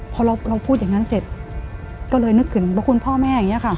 พอเราพูดอย่างนั้นเสร็จก็เลยนึกถึงพระคุณพ่อแม่อย่างนี้ค่ะ